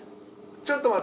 ちょっと待って。